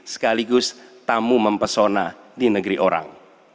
sekaligus tamu mempesona di negeri orang